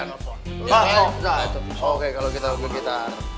oke kalau kita begitar